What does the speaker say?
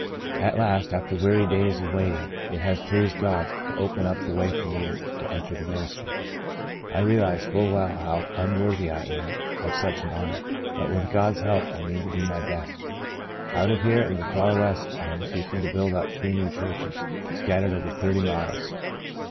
At last, after weary days of waiting, it has pleased God to open up the way for me to enter the ministry. I realize full well how unworthy I am of such an honour, but with The Portion of Manasseh 1 15 God's help I mean to do my best. Out here in the far West I am seeking to build up three new churches, scattered over thirty miles.